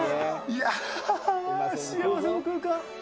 いやー、幸せの空間。